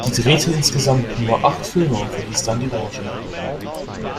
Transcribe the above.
Sie drehte insgesamt nur acht Filme und verließ dann die Branche.